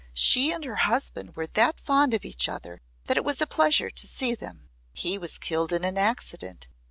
She and her husband were that fond of each other that it was a pleasure to see them. He was killed in an accident.